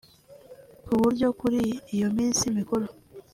ku buryo kuri iyo minsi mikuru